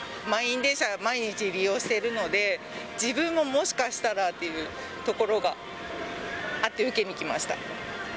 満員電車、毎日利用してるので、自分ももしかしたらっていうところがあって、受けに来ました。